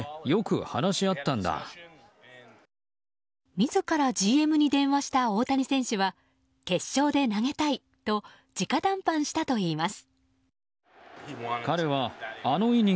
自らＧＭに電話した大谷選手は決勝で投げたいと直談判したといいます。